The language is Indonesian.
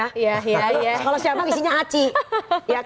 kalau si abang isinya aci